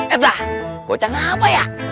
eh dah bocah ngapa ya